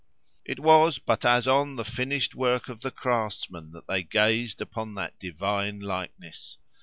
It was but as on the finished work of the craftsman that they gazed upon that divine likeness.